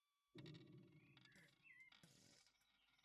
دوی سايبري ځواک لري.